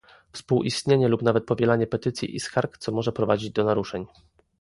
współistnienie lub nawet powielanie petycji i skarg, co może prowadzić do naruszeń